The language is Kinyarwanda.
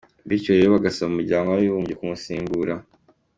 Bityo rero bagasaba umuryango w'abibumbye kumusimbura.